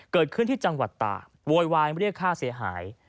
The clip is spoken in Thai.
เกิดขึ้นที่จังหวัดตากโวยวายเรียกค่าเสียหาย